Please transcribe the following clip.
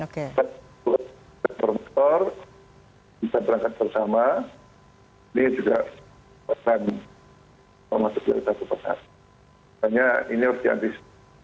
kita berangkat bersama ini juga pesan hanya ini harus dihapus